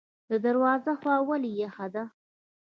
د درواز هوا ولې یخه ده؟